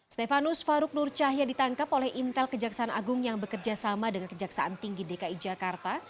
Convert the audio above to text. stefanus faruk nur cahya ditangkap oleh intel kejaksaan agung yang bekerja sama dengan kejaksaan tinggi dki jakarta